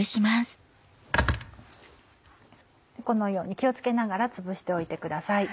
このように気を付けながらつぶしておいてください。